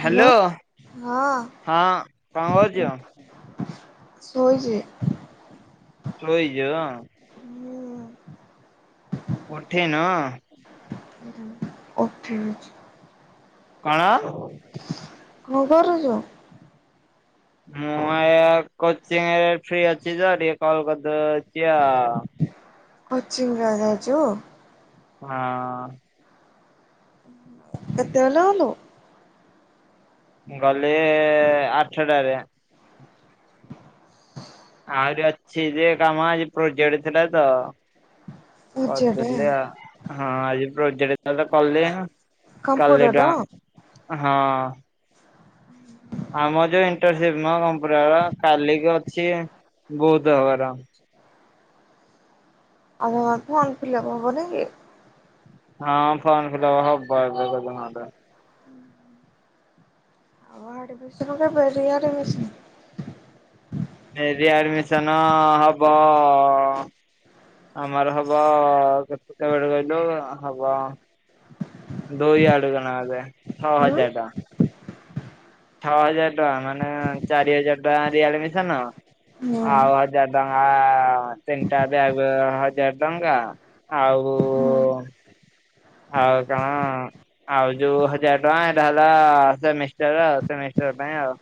Hello ହଁ କଣ କରୁଚ? ଶୋଇଚି। ଶୋଇଚଅ। ଉଠିନ। ଉଠି ଯାଉଚି। କଣ? କଁ କରୁଛ? ମୁଁ ଏ କୋଚିଂରେ ଫ୍ରି ଅଛି ତ ଟିକେ କଲ କରିଦଉଚି ଆଉ। କୋଚିଂ ରେ [unintelligible] ହଁ। କେତେବେଲେ ଗଲୁ? ଗଲି ଆଠଟାରେ। ଆହୁରି ଅଛି ଯେ କାମ ଆଜି ପ୍ରୋଜେକ୍ଟ ଥିଲା ତ- ଅଜାଟେ କରିଦେଲି ଆଉ ହଁ ଆଜି ପ୍ରୋଜେକ୍ଟ କଲେ କଲି। କାଲି କମ୍ପ୍ୟୁଟର ଡ ହଁ। ଆମ ଯୋଉ ଇଣ୍ଟରସିପ ମ କମ୍ପ୍ୟୁଟରର କାଲିକି ଅଛି ବୌଦ ହବାର। ଆଗ କଣ ଫର୍ମ ଫିଲପ୍ ହବନି କି? ହଁ ଫର୍ମ ଫିଲଅପ ହବ ଏବେ ଗଲେ ନହେଲେ। ଆମ ଆଡେ ବିଷ [unintelligible] ଏ ରିଆଡମିସନ ହବ ଆମର ହବ କେତେ ବେଳେ କହିଲୁ ହବ। ଦୁଇ ଆଡୁକୁ ନେ ଛଅ ହୁଁ ହଜାର ଟଙ୍କା। ଛଅ ହଜାର ଟଙ୍କା ମାନେ, ଚାରି ହଜାର ଟଙ୍କା ରିଆଡିମ୍ ସନ୍ ହୁଁ ଆଉ ହଜାର ଟଙ୍କା ତିନିଟା ବ୍ୟାଗ ହଜାର ଟଙ୍କା ଆଉ ହୁଁ। ଆଉ କଣ ଆଉ ଯୋଉ ହଜାର ଟଙ୍କା ଏଇଟା ହେଲା ସେମିଷ୍ଟର ଆ ସେମିଷ୍ଟର ପାଇଁ ଆଉ।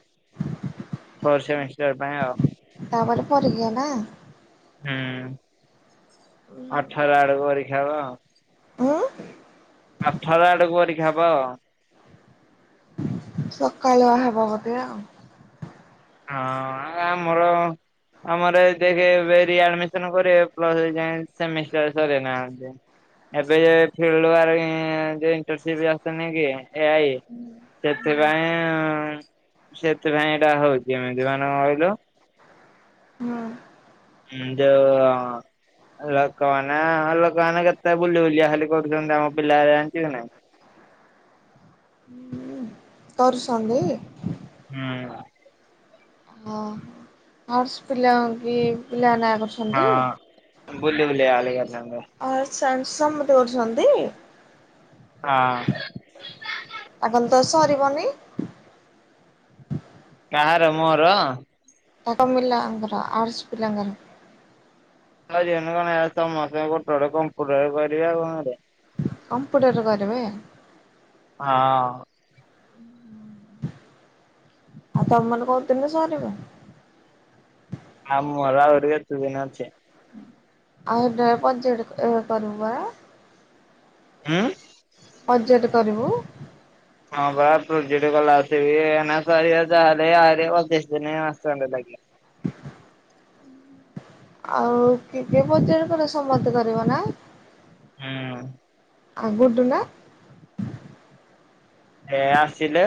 ଫୋର୍ ସେମିଷ୍ଟର ପାଇଁ ଆଉ। ତାପରେ ପରିକ୍ଷା ନା। ହୁଁ। ଅଠର ଆଡକୁ ପରୀକ୍ଷା ହବ। ଉଁ ଅଠର ଆଡକୁ ପରିକ୍ଷା ହବ। ସଖାଳୁଆ ହବ ବୋଧେ ଆଉ। ହଁ ଆ ମୋର ଆମର ଦେଖ୍ ରିଆଡ଼ିମିଶନ କରିବେ ପ୍ଲସ ଏଯାଏଁ ସେମିଷ୍ଟର ସରେଇ ନାହିଁନ୍ତି। ଏବେ ଯ ଫିଲୁଆର୍ ଇଣ୍ଟରସିଭ୍ ଆସୁନି କି ଏଆଇ ସେଥିପାଇଁ ସେଥିପାଇଁ ଏଇଟା ହଉଛି ଏମିତି ମାନେ କଁ କହିଲୁ ହୁଁ। ଉଁ ଯୋଉ ଲୋକମାନେ ଲୋକମାନେ କେତେ ବୁଲି ବୁଲିିବା ଖାଲି କରୁଛନ୍ତି ଆମ ପିଲା ଆଣିଚୁ କି ନାହିଁ। ତୋର ସଙ୍ଗେ ହୁଁ। ହଁ ଆର୍ସ ପିଲା କି ପିଲା ନ ହଁ ବୁଲି ବୁଲଆ ଖାଲି କରିଚନ୍ତି। ଆ ର ଛନ୍ ସମେତେ କରୁଛନ୍ତି। ହଁ। ଆଗନ ତ ସରିବନି କାହାର ମୋର? ତାଙ୍କ ମିିଲା ଆଙ୍କର ଆର୍ଟ୍ସ ପିଲାଙ୍କର। [unintelligible] ସମସ୍ତେ ଗୋଟେ କମ୍ପୁଟର କରିବେ ଆଉ କ କରିବେ। କମ୍ପ୍ୟୁଟର କରିବେ? ହଁ ଆଉ ତମ ମାନେ କହୁଥିନି ସରିବ ଆଉ ମୋର ଆଉ [unintelligible] ଆଉ ଏବେ ପଞ୍ଚଡ କରିବା। ଉଁ ଅଜେଟ କରିବୁ ହଁ ବା ପ୍ରୋକେଟ୍ ଗଲା ଆସିକି ନା କରିବେ ଜାହେଲେ ଆହୁରି ପଚିଶ ଦିନ ମାସେ ଖଣ୍ଡେ ଲାଗିବ। ଆଉ କେତେ ପଜାର କଣ ସମତେ କରିବ ନା? ହୁଁ। ଆଗଠୁ ନା? ଏ ଆସିଲେ।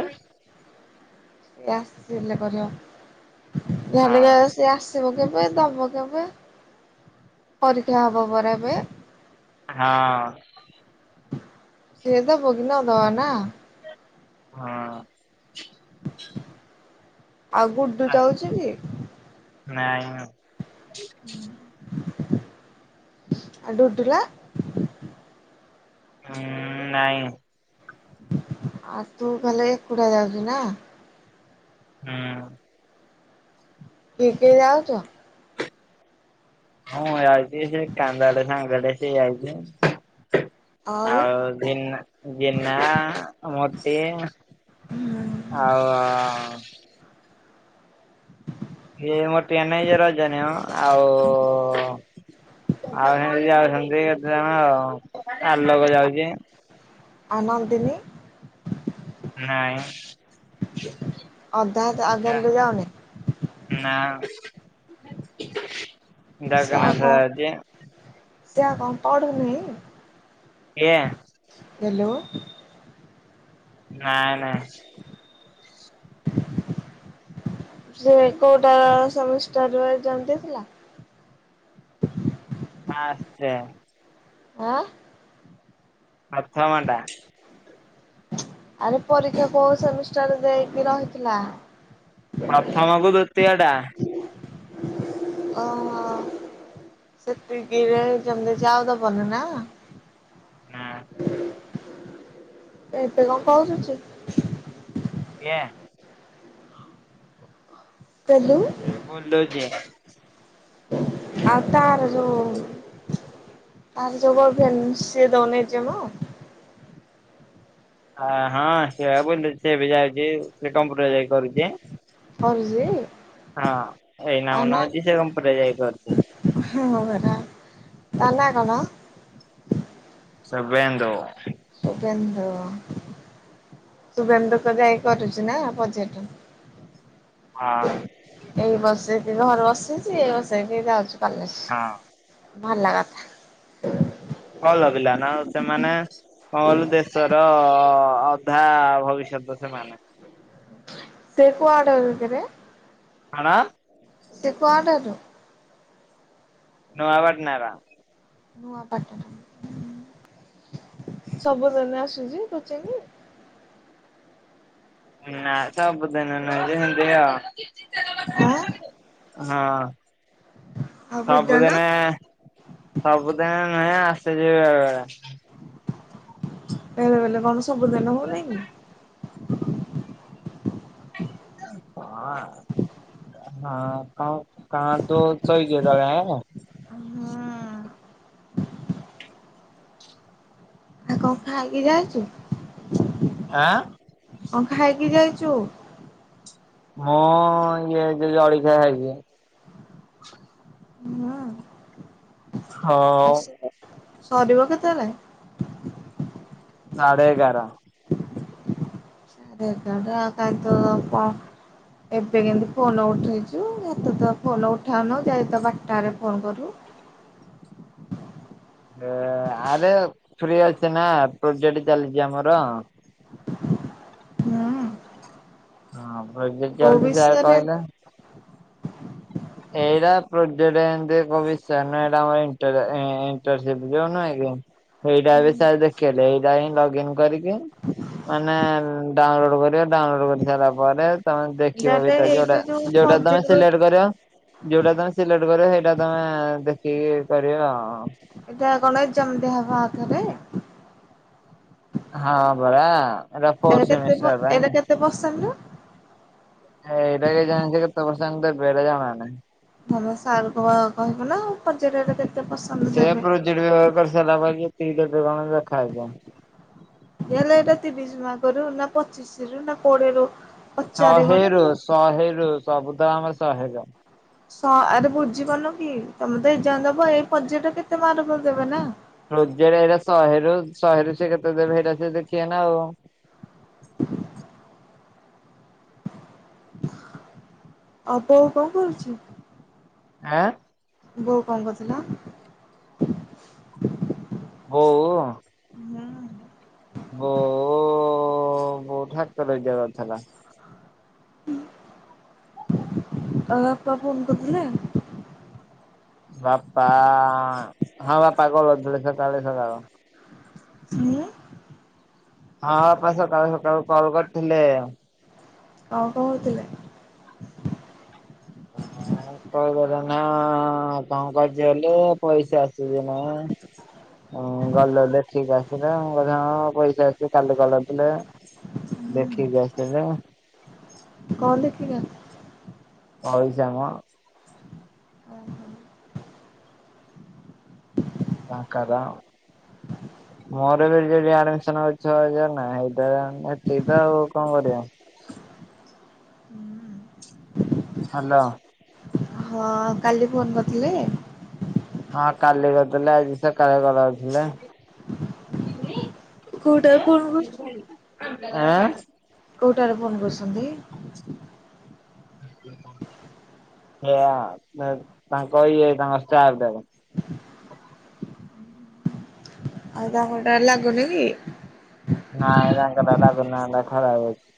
ଏ ଆସିଲେ କରିବ ଏ ଆଲେରିଆ ହଁ ସ ସେ ଆସିବ କେବେ ଦବ କେବେ? ପରୀକ୍ଷା ହେବ ପରା ଏବେ? ହଁ। ସେ ଏବେ [unintelligible] ନାଁ। ହଁ। ଆଉ ଗୁୁଡୁ ଯାଉଚି କି? ନଇଁ ମ ଆ ଡୁଡୁରା ଉଁ ନାଇଁ। ଆଉ ତୁ କଲେ ଏକୁଟା ଯାଉଚୁ ନା? ହୁଁ। କିଏ କିଏ ଯାଉଚ? ହଁ ଯାଉଚି ସେ କାନ୍ଦାଡେ ସାଙ୍ଗ ଟେ ସେ ଯାଉଚି। ଆଉ ଆଉି ଦିନ ଦିନା ମତି ଆଉ ଆ ହେ ଆମ ଟେନାଇ ଜର ଜଣେ ଅ ଆଉ ଆଉ ସେମିତି ଯାଉଛନ୍ତି କେତେ ଜଣ ଆଉ ଆଲୋକ ଯାଉଚି। ଆନନ୍ଦିନୀ। ନାଇଁ ଅଦା ହାତ ଆଉ ଜଲୁଲି ଯାଉନି? ନା। ସେ ଆଉ ଜଗନ୍ନାଥ କଁ ଯାଉଛି ସେଆ କଁ ପଢୁନେଇ? ୟା ହେଲୋ। ନାଇଁ ନାଇଁ। ସେ କୋଉଟା ସେମିଷ୍ଟାରରେ ଏକ୍ସାମ୍ ଦେଇଥିଲା? ଆସଚା। ଆଁ? ଆଛା ମଣ୍ଡା। ଆରେ ପରୀକ୍ଷା କୋଉ ସେମିଷ୍ଟାର ଦେଇକି ରହିଥିଲା? ପ୍ରଥମକୁ ଦୁତିଅ ଟା। ଓହ ସେତିକୀରେ ଏକ୍ସାମ ଦେଇଚି ଆଉ ଦବନି ନା? ନାଁ। ସେ ଏବେ କଁ କରୁଚି? [unintelligible] [unintelligible] ବୁଲୁଚି। ଆଉ ତାର ଯେଉ ଆ ଜୋ [unintelligible] ସିଏ ଦୋଉନି ଏକ୍ଜାମ? ହଁ ସେ ବା ବୁଲୁଚି ସେ ବି ଯାଉଚି କମ୍ପୁଟର ଯାଇକି କରୁଚି। [unintelligible] ହଁ ଏଇ ନା ମନ ଅଛି ସେ କମ୍ପଟ ଯାଇକି କରୁଚି। [unintelligible] ତା ନା କଣ? ସୁବେନ୍ଦୁ। ସୁବେନ୍ଦୁ। ସୁବେନ୍ଦୁ ତୋ ଯାଇକି କରୁଚି ନା ପ୍ରୋଜେକଟ? ହଁ। ଏଇ ବସେଇକି ଘରେ ବସେଇଚି ଏଇ ବସେଇକି ଯାଉଚି କଲେଜ। ହଁ। ଭଲ କଥା। ଭଲ ପିଲା ନା ସେମାନେ କଣ କଲୁ ଦେଶର ଅଧା ଭବିଷ୍ୟତ ସେମାନେ। ସେ କୁଆଡେ କିରେ? କଣ? ସେ କୁଆଡେ ରୁ? ନୁଆ ବାଟନାର। ନୂଆ ପାଟଣା। ସବୁଦିନେ ଆସୁଚି କୋଚିଙ୍ଗ? ନା ସବୁଦିନ ନହଁ ଯେ ଏମତି ଆଉ। ଆଁ? ହଁ ବିଦ୍ୟାଳୟ ସବୁଦିନେ ସବୁଦିନ ନୁହେଁ ଆସିଚି ବେଳେବେଳେ। ବେଳେ ବେଳେ କଣ ସବୁ ଦିନ ହଉନେଇ କି? ହଁ। ହଁ କ କଣ ତୁ ଶୋଇଚୁ ଏତୋଳ ଯାଏ? ହଁ ଆଉ କଣ ଖାଇକି ଯାଉଚୁ? ଆଁ? କ ଖାାଇକି ଯାଇଚୁ? ମୁଁ ଇଏ ଯଳିଖିଆ ଖାଇଚି। ହୁଁ ହଉ ଆସ ସରିବ କେତେଳେ? ସାଢ଼େ ଏଗାର। ସାଢେ ଏଗାର ଆଉ କାଇଁ ତ କଁ ଏବେ କେମିତି ଫୋନ ଉଠେଇଚୁ ଏତେ ତ ଫୋନ ଉଠାଉନୁ ଯାଇ ତ ବାରଟାରେ ଫୋନ୍ କରୁ। ଆରେ ଫ୍ରି ଅଛି ନା ପ୍ରୋଜେକ୍ଟ ଚାଲିଚି ଆମର। ହୁଁ ହଁ ପ୍ରୋଜେକଟ କୋଉ ଚାଲିଚି ସାର ବିଷୟରେ କହିଲେ। ହୁଁ ଏଇଟା ପ୍ରୋଜେଟ ଏମତି [unintelligible] ଇଣ୍ଟରସିପ ଯୋଉ ନୁହଁ କି ସେଇଟା ବି ସାର ଦେଖେଇଲେ ଏଇଟା ହିଁ ଲଗ ଇନ କରିକି ମାନେ ଡାଉନଲୋଡ କରିବ ଡାଉନଲୋଡ କରି ସାରିଲା ପରେ ତମେ ଦେଖିବ ତାହେଲେ ଭିତରେ ଏଇଟା ଯୋଉଟା ଯୋଉ ଯୋଉଟା ପ୍ରୋଜେକ୍ଟ ତମେ ର ସିଲେକ୍ଟ କରିବ ଯୋଉଟା ତମେ ସିଲେକ୍ଟ କର ସେଇଟା ତମେ ଦେଖିକି କରିବ ଆଉ। ଏଟା କଣ ଏଜାମ୍ ଦିଆ ହବ ଆଉ ଥରେ? ହଁ ପରା ଏଟା ଏଇଟା ଫୋର କେତେ ପ ସେମିଷ୍ଟର୍ ଏଇଟା ପାଇଁ। କେତେ [unintelligible] ଏଇଟା କେ ଜାଣି କେତେ [unintelligible] ଦେବେ ଏଟା ଜଣା ନାହିଁ। [unintelligible] ସାର୍ କହିବ ନା ପଚାରିବ ଏଟା କେତେ ପ ସେୟା ପ୍ରୋଜେକ୍ଟ୍ ବ୍ୟବହାର କରି ସାରିଲା ପରେ ପି ଡବ୍ଲ୍ୟୁ କଣ ଲେଖା ହେଇଥିବ। ହେଲେ ଏଇଟା ତିରିଶି ମାର୍କରୁ ନା ପଚିଶି ରୁ ନା କୋଡି଼ଏ ରୁ ଶହେରୁ ଶହେରୁ ସବୁତ ଆମେ ଶହେରୁ ସ ଆରେ ବୁଝିିପାରୁନ କି ତମେ ତ ଏଜାମ୍ ଦେବ ଏଇ ପର୍ଯ୍ୟାଟ କେତେ ମାର୍କ ଦେବେ ନା। ପ୍ରୋଜେକ୍ଟ ଏଇଟା ଶହେରୁ ଶହେରୁ ସେ କେତେ ଦେବେ ଏଇଟ ସେ ଦେଖିବ ନା ଆଉ। ଆପ ଆଉ କଣ କରୁଛି? ଆଁ ବୋଉ କଣ କରୁଥିଲା। ବୋଉ ଉଁ ବୋଉ ବୋଉ ଠାକର ଯବାର ଥିଲା। [inaudible] ଆ ବାପା ଫୋନ କରିଥିଲେ ବାପା ହଁ ବାପା କଲ୍ କରିଥିଲେ ସକାଳେ ସକାଳ। ଉଁ ହଁ ବାପା ସକାଳୁ ସକାଳୁ କଲ୍ କରିଥିଲେ ଆ ଆଉ କହୁଥିଲେ କଣ ଗଲା ନା ହଁ କାମ କରୁଛୁ ହେଲେ ପଇସା ଆସୁଛି ନା ହୁଁ ଗଲେ ଦେଖିକି ଆସିଲେ ମୁ କହିଲି ପଇସା ଆସିଛି କାଲି କଲ୍ କରିଥିଲେ। ଦେଖିକି ଆସିଲେ କଣ ଦେଖିବା? ପଇସା ମ ଓ ହୋ। ପାଙ୍କାଦା ମୋର ବି ରି ଆଡମିସନ କରିଚି ଛଅ ହଜାର ନା ହେଇ ହେତିକି ତ ଆଉ କଣ କରିବା ହାଲୋ ହଁ କାଲି ଫୋନ୍ କରିଥିଲେ? ହଁ କାଲି କରିଥିଲେ ଆଜି ସକାଳେ କରିଥିଲେ। କୋଉଟାରେ ଫୋନ୍ କରୁଛନ୍ତି? ଆଁ କୋଉଟାରେ ଫୋନ୍ କରିସନ୍ତି? ଏଆ ତାଙ୍କ ଇଏ ତାଙ୍କ ଷ୍ଟାପ୍ ଟାରେ। ଆଉ ତାଙ୍କରଟା ଲାଗୁନି କି? ନାଇଁ ତାଙ୍କର ଲାଗୁନି ହେଟା ଖରାପ୍ ହେଇଯାଇଛି।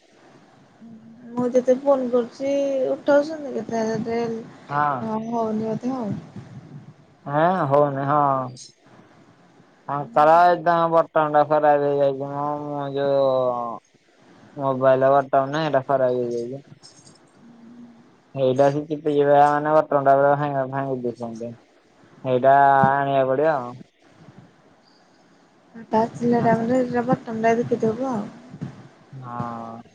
ମୁଁ ଯେତେ ଫୋନ୍ କରୁଛି ଉଠାଉଛନ୍ତି କେତେ ଯେତେ ହଁ ହଁ ହଉନି ବୋଧେ ଆଉ ହଁ ହଉନି ହଁ ଅଁ ତାଙ୍କର ଏ ତାଙ୍କ ବଟନ୍ ଟା ଖରାପ ହେଇ ଯାଇଛି ମ ମୁଁ ଯଉ ହଁ ମୋବାଇଲ୍ ର ବଟମ ନାଇଁ ଏଇଟା ଖରାପ ହେଇଯାଇଛି। ଏଇଟା ସେ ଚିପି କିବା ମାନେ ବଟମ ଟା ପୁରା ଭା- ଭାଙ୍ଗି ଦେଇଛନ୍ତି। ଏଇଟା ଆଣିବାକୁ ପଡି଼ବ ଆଉ [unintelligible] ଟିକେ ଦବ ଆଉ ହଁ ଅଁ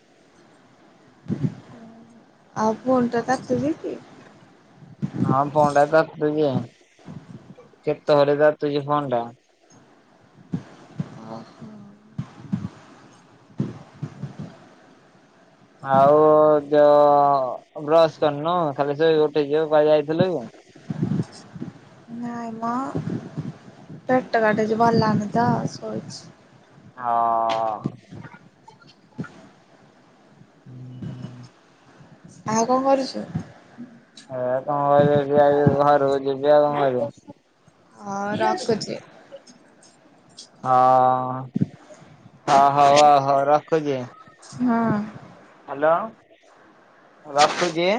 ଆଉ ଫୋନ୍ ଟା ତାତୁଚି କି? ହଁ ଫୋନ୍ ଟା ତାତୁତି ଆଉ କେତେ ଭରେ ତାତୁଛି ଫୋନ୍ ଟା। ଓହୋ [unintelligible] ଆଉ ଯୋଉ ବ୍ରଶ୍ କରିନୁ ଖାଲି ସେ ଗୋଟେ ଝିଅ କୁଆଡେ ଯାଇଥିଲେ କଣ ନାଇଁ ମ ପେଟ କାଟୁଚି ଭଲ ଲାଗୁନି ତ ଶୋଇଛି। ହଁ ଅଁ ହୁଁ ଉଁ ଆଉ କଣ କରୁଛୁ? ଏ କଣ କରିବି ଏଇଠି ଠିଆ ହେଇଚି ଘରକୁ ଯିବି ଆଉ କଣ କରିବି। ହଁ ରଖୁଛି। ହଁଅଁ ହଁ ହଉ ହଉ ରଖୁଛି। ହୁଁ। ହାଲୋ ରଖୁଛି।